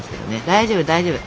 大丈夫大丈夫。